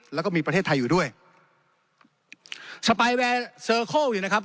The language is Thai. แล้วก็มีประเทศไทยอยู่ด้วยสปายแวร์นะครับ